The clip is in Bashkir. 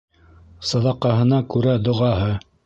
Саҙаҡаһына күрә доғаһы.